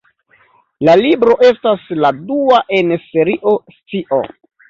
La libro estas la dua en Serio Scio.